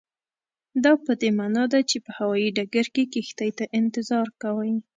دا پدې معنا ده چې په هوایي ډګر کې کښتۍ ته انتظار کوئ.